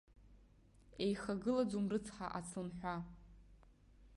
Еихагылаӡом рыцҳа ацлымҳәа.